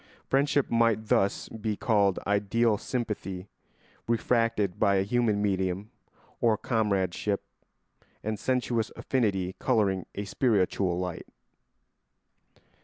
Friendship might thus be called ideal sympathy refracted by a human medium, or comradeship and sensuous affinity colouring a spiritual light.